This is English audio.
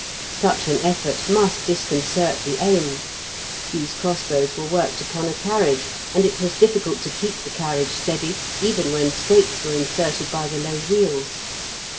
Such an effort must disconcert the aim; these crossbows were worked upon a carriage, and it was difficult to keep the carriage steady even when stakes were inserted by the low wheels.